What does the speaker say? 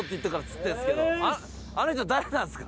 あの人誰なんですか？